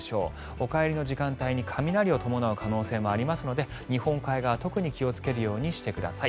お帰りの時間帯に雷を伴うこともありますので日本海側、特に気をつけるようにしてください。